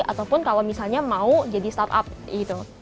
ataupun kalau misalnya mau jadi startup gitu